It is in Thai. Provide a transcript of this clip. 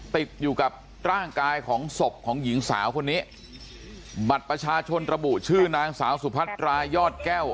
ติดอยู่กับร่างกายของศพของหญิงสาวคนนี้บัตรประชาชนระบุชื่อนางสาวสุพัตรายอดแก้ว